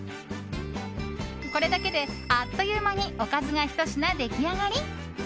これだけであっという間におかずがひと品出来上がり。